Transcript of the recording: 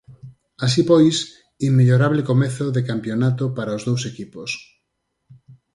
Así pois, inmellorable comezo de campionato para os dous equipos.